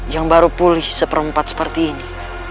yang baru pulih seperempat seperti ini